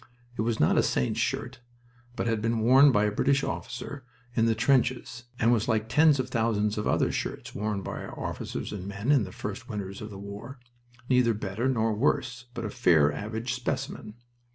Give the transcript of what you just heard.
It was not a saint's shirt, but had been worn by a British officer in the trenches, and was like tens of thousands of other shirts worn by our officers and men in the first winters of the war, neither better nor worse, but a fair average specimen.